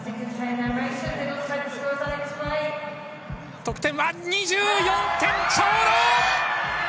得点は２４点ちょうど。